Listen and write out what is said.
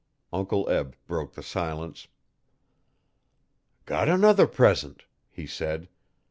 Uncle Eb broke the silence. 'Got another present,' he said.